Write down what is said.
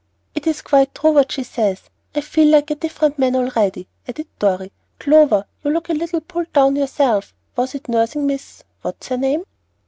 "It is quite true, what she says. I feel like a different man already," added Dorry. "Clover, you look a little pulled down yourself. Was it nursing Miss What's her name?"